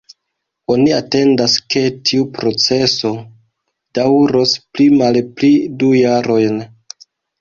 Oni atendas ke tiu proceso daŭros pli malpli du jarojn.